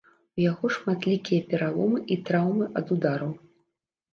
У яго шматлікія пераломы і траўмы ад удараў.